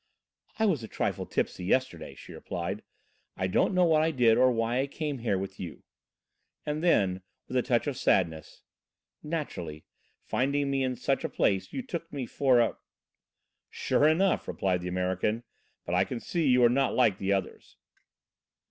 "I was a trifle tipsy yesterday," she replied. "I don't know what I did or why I came here with you." And then, with a touch of sadness: "Naturally, finding me in such a place you took me for a " "Sure enough," replied the American, "but I can see you are not like the others."